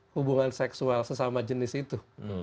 hubungan seksual sesama jenis itu